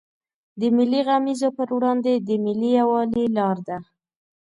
د ملي غمیزو پر وړاندې د ملي یوالي لار ده.